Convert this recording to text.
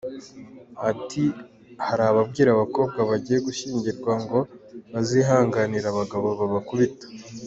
Ati “Hari ababwira abakobwa bagiye gushyingirwa ngo bazihanganire abagabo babakubita.